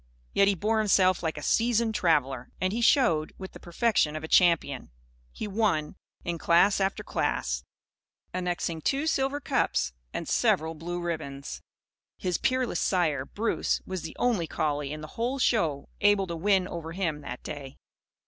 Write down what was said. Yet he bore himself like a seasoned traveller; and he "showed" with the perfection of a champion. He won, in class after class; annexing two silver cups and several blue ribbons. His peerless sire, Bruce, was the only collie, in the whole show, able to win over him, that day.